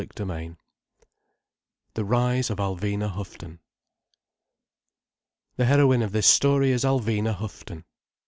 CHAPTER II THE RISE OF ALVINA HOUGHTON The heroine of this story is Alvina Houghton.